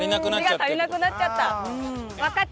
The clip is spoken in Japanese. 足りなくなっちゃって。